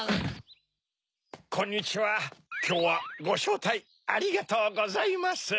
こんにちはきょうはごしょうたいありがとうございます。